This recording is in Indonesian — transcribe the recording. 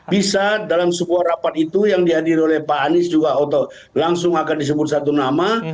bisa dalam sebuah rapat itu yang dihadiri oleh pak anies juga langsung akan disebut satu nama